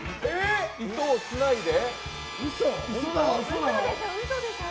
糸をつないで？